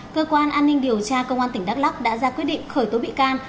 cơ quan an ninh điều tra công an tỉnh đắk lắc đã ra quyết định khởi tố bị can